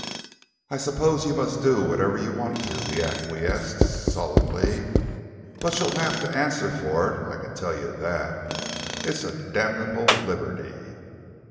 "I suppose you must do what you want to," he acquiesced sullenly, "but you'll have to answer for it I can tell you that. It's a damnable liberty!"